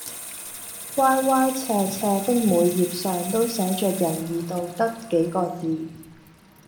歪歪斜斜的每葉上都寫着「仁義道德」幾個字。